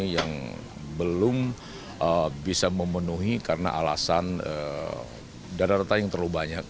yang belum bisa memenuhi karena alasan dana retail yang terlalu banyak